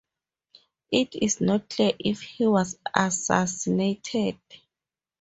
It is not clear if he was assassinated.